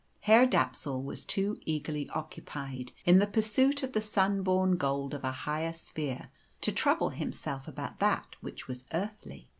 Herr Dapsul was too eagerly occupied in the pursuit of the sun born gold of a higher sphere to trouble himself about that which was earthly.